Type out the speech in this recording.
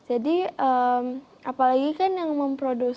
apalagi kan yang memproduce